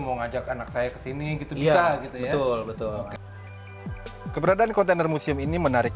mau ngajak anak saya kesini gitu bisa gitu ya betul betul oke keberadaan kontainer museum ini menarik